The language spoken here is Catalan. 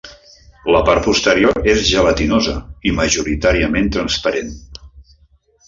La part posterior és gelatinosa i majoritàriament transparent.